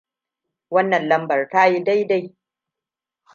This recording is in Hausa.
Wannan lambar ta yi dai-dai.